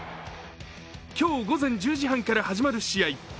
今日午前１０時半から始まる試合。